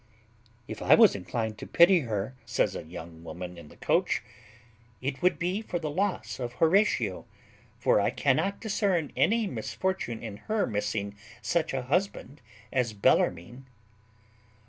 "If I was inclined to pity her," said a young lady in the coach, "it would be for the loss of Horatio; for I cannot discern any misfortune in her missing such a husband as Bellarmine."